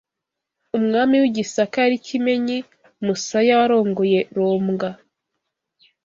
Umwami w’i Gisaka yari Kimenyi Musaya warongoye Robwa,